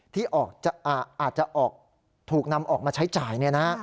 ที่อาจจะถูกนำออกมาใช้จ่าย